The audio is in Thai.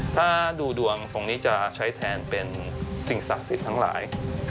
ถ้าดูดวงตรงนี้จะใช้แทนเป็นสิ่งศักดิ์สิทธิ์ทั้งหลาย